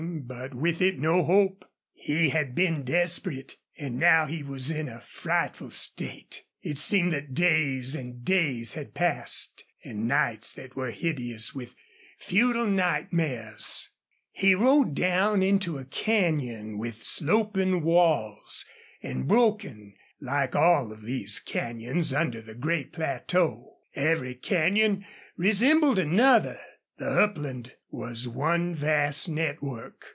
But with it no hope. He had been desperate. And now he was in a frightful state. It seemed that days and days had passed, and nights that were hideous with futile nightmares. He rode down into a canyon with sloping walls, and broken, like all of these canyons under the great plateau. Every canyon resembled another. The upland was one vast network.